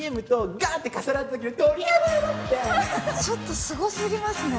ちょっとすごすぎますね。